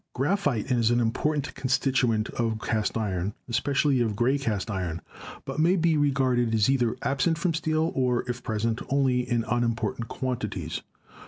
Graphite is an important constituent of cast iron, espe cially of gray cast iron, but may be regarded as either absent from steel or, if present, only in unimportant quantities.